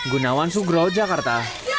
gunawan sugraw jakarta